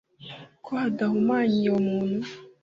ko hadahumanye uwo muntu